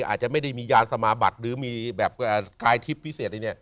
อาจจะไม่ได้มียานสมาบัตรหรือมีแบบกายทิพย์พิเศษอะไรเนี่ย